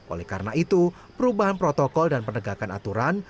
oleh karena itu perubahan protokol dan penegakan aturan